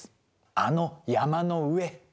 あの山の上！